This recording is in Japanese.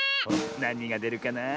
なにがでるかな？